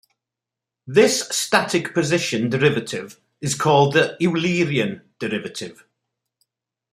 This static position derivative is called the Eulerian derivative.